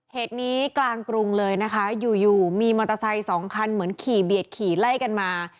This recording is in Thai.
เหตุนี้กลางกรุงเลยนะคะอยู่อยู่มีมอเตอร์ไซค์สองคันเหมือนขี่เบียดขี่ไล่กันมา